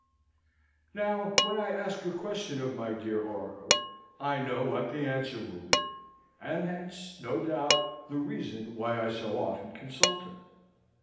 Now, when I ask a question of my dear oracle, I know what the answer will be; and hence, no doubt, the reason why I so often consult her.